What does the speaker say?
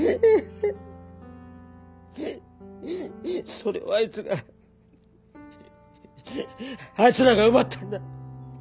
それをあいつがあいつらが奪ったんだ。